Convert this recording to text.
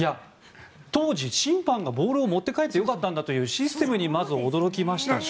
当時、審判がボールを持って帰ってよかったんだというシステムにまず驚きましたし。